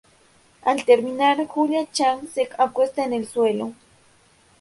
Al terminar, Julia Chang se acuesta en el suelo.